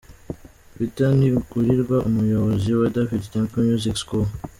Peter Ntigurirwa umuyobozi wa David’s Temple Music School.